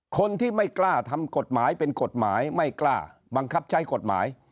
คนที่ไม่กล้าทำกฎหมายเป็นกฎหมายไม่กล้าบังคับใช้กฎหมาย